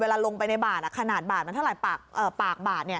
ลงไปในบาทขนาดบาดมันเท่าไหร่ปากบาดเนี่ย